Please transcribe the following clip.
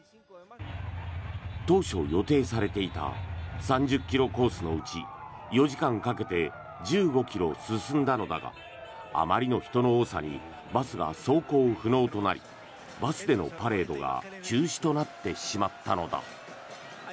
当初予定されていた３０ｋｍコースのうち４時間かけて１５ｋｍ進んだのだがあまりの人の多さにバスが走行不能となりバスでのパレードが中止となってしまったのだ。